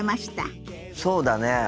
そうだね。